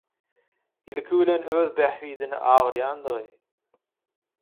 ilki bilen öz bähbidine agyrýandygy